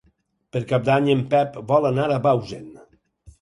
Per Cap d'Any en Pep vol anar a Bausen.